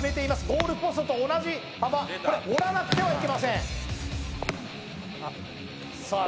ゴールポストと同じ幅これ折らなくてはいけませんさあ